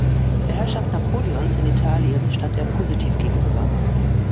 Der Herrschaft Napoleons in Italien stand er positiv gegenüber.